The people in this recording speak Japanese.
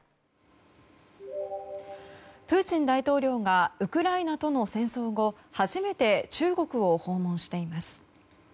プーチン大統領がウクライナとの戦争後初めて中国を訪問しています。